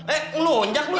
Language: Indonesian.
eh ngelunjak lo ya